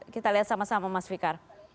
kita lihat sama sama mas fikar